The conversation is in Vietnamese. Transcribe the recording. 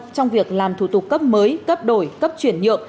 trong việc làm thủ tục cấp mới cấp đổi cấp chuyển nhượng